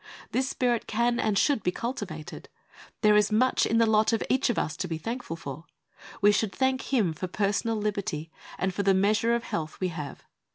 This spirit can and should be cultivated. There is much in the lot of each of us to be thankful for. We should thank Him for personal liberty, and for the measure of health we have.